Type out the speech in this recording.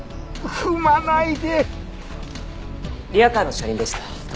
リヤカーの車輪でした。